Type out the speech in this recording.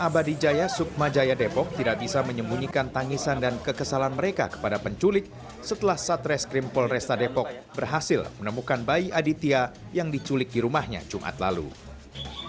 pertanyaan terakhir di mana saat reskrim polresta depok berhasil menemukan bayi aditya yang diculik jumat pagi di sebuah rumah kontrakan